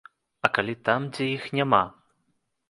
А калі там, дзе іх няма?